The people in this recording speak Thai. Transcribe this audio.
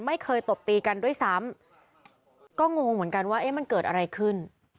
ตบตีกันด้วยซ้ำก็งงเหมือนกันว่าเอ๊ะมันเกิดอะไรขึ้น